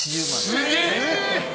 すげえ！